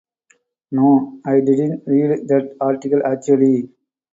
No, I didn't read that article actually.